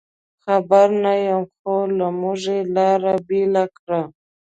خبر نه یم، خو له موږه یې لار بېله کړه.